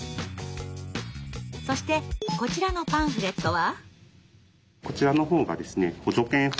そしてこちらのパンフレットは？